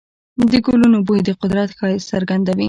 د ګلونو بوی د قدرت ښایست څرګندوي.